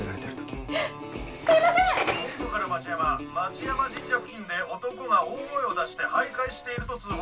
本部から町山町山神社付近で男が大声を出して徘徊していると通報あり。